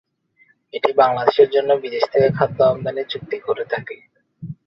এটি বাংলাদেশের জন্য বিদেশ থেকে খাদ্য আমদানির চুক্তি করে থাকে।